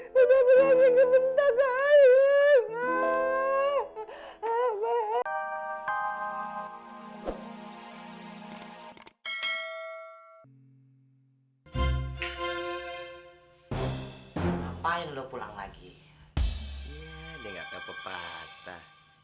ya dengarkan pepatah